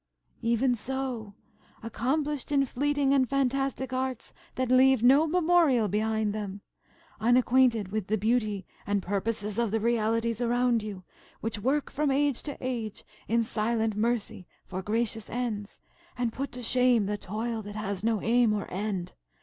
"Even so! Accomplished in fleeting and fantastic arts that leave no memorial behind them–unacquainted with the beauty and purposes of the realities around you, which work from age to age in silent mercy for gracious ends, and put to shame the toil that has no aim or end.